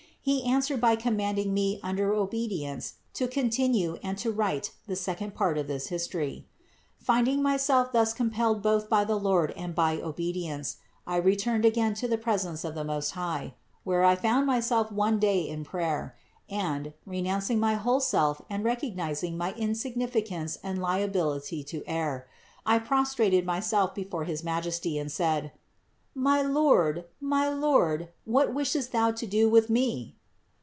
He answered by commanding me under obedience to continue and to write the second part of this history. Finding myself thus compelled both by the Lord and by obedience, I returned again to the presence of the Most High, where I found myself one day in prayer, and, renouncing my whole self and recog nizing my insignificance and liability to err, I prostrated myself before his Majesty and said : "My Lord, my Lord, what wishest Thou to do with me?"